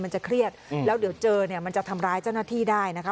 มันจะเครียดแล้วเดี๋ยวเจอเนี่ยมันจะทำร้ายเจ้าหน้าที่ได้นะคะ